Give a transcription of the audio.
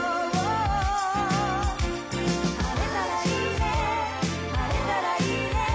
「晴れたらいいね晴れたらいいね」